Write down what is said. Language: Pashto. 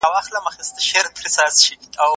شاه د توکمونو او مذهبونو ترمنځ مساوات ټینګ کړ.